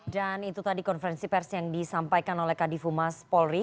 dan itu tadi konferensi pers yang disampaikan oleh kadifu mas polri